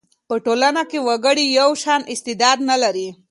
په ټولنه کي وګړي یو شان استعداد نه لري.